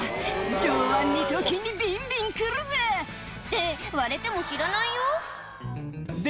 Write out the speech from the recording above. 「上腕二頭筋にビンビン来るぜ」って割れても知らないよで